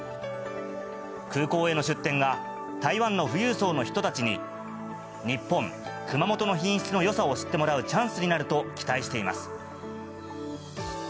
空港への出店が、台湾の富裕層の人たちに、日本・熊本の品質のよさを知ってもらうチャンスになると期待しています。